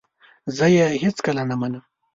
زه یې هیڅکله نه منم !